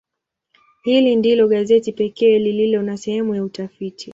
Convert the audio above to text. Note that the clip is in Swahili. Hili ndilo gazeti pekee lililo na sehemu ya utafiti.